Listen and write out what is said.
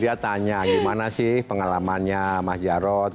dia tanya gimana sih pengalamannya mas jarod